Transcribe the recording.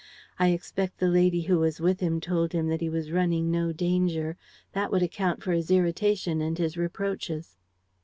I expect the lady who was with him told him that he was running no danger. That would account for his irritation and his reproaches.'"